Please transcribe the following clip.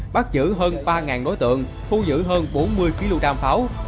bắt giữ hơn ba đối tượng thu giữ hơn bốn mươi kg đam pháo